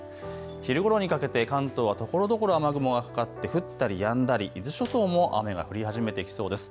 昼ごろにかけて関東はところどころ雨雲がかかって降ったりやんだり、伊豆諸島も雨が降り始めてきそうです。